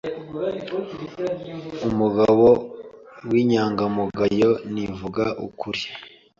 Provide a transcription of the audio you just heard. Umugabo w'inyangamugayo nuvuga ukuri